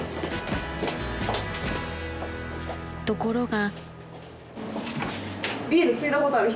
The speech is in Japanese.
［ところが］